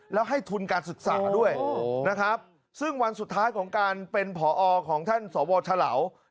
แล้วให้ทุนการศึกษาด้วยนะครับซึ่งวันสุดท้ายของการเป็นผอของท่านสวฉลาว